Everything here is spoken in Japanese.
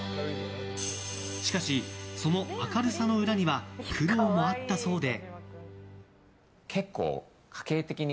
しかし、その明るさの裏には苦労もあったそうで。